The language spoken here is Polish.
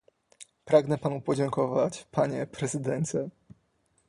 Pragnę panu podziękować, panie prezydencie